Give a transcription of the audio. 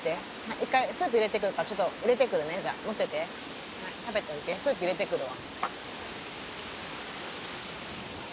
一回、スープ入れてくるから、ちょっと入れてくるね、持ってて、食べといて、スープ入れてくるわ。